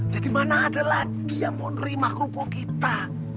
jadi mana adalah dia mau nerima kerupuk kita